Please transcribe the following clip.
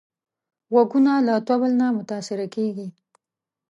غوږونه له طبل نه متاثره کېږي